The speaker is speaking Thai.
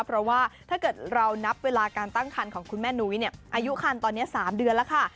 เพราะว่าถ้าเกิดเรานับเวลาการตั้งคันของคุณแม่นุ้ยเนี่ยอายุคันตอนนี้๓เดือนแล้วค่ะ